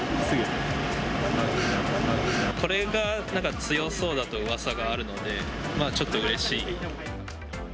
これが強そうだとうわさがあるので、ちょっとうれしい。